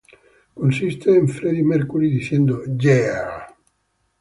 Consiste en Freddie Mercury diciendo "Yeah".